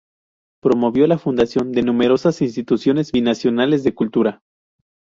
Promovió la fundación de numerosas instituciones binacionales de cultura.